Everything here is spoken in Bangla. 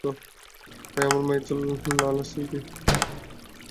তাই আমার মায়ের চুল লাল আর সিল্কি।